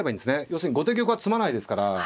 要するに後手玉は詰まないですから。